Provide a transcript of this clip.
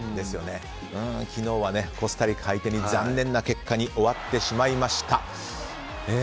昨日はコスタリカ相手に残念な結果に終わってしまいました。